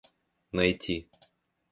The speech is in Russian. найти